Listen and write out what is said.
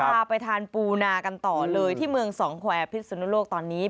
พาไปทานปูนากันต่อเลยที่เมืองสองแควร์พิสุนโลกตอนนี้